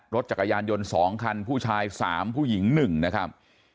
รถจักรยานยนต์สองคันผู้ชายสามผู้หญิงหนึ่งนะครับ